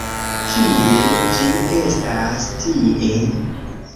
Kie ĝi estas... tie!